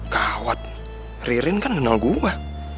kawet ririn kan kenal gue